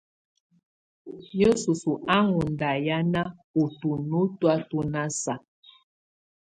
Yǝsus á ɔ́ŋ ndahiana ú tuno ú tɔ̀á tu ná saa.